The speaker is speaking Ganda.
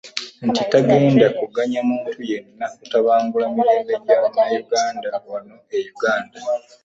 Nti tagenda kuganya muntu yenna kutabangula mirembe gya Bannayuganda wano e Uganda